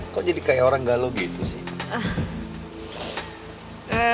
kok jadi kayak orang galuh gitu sih